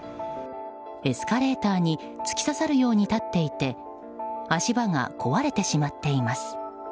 エスカレーターに突き刺さるように立っていて足場が壊れてしまっています。